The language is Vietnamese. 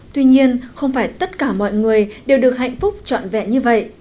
tuy nhiên không phải tất cả mọi người đều được hạnh phúc trọn vẹn như vậy